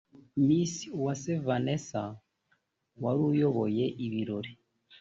Miss Uwase Vanessa wari uyoboye ibirori